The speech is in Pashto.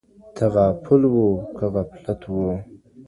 تغافل وو، که غفلت وو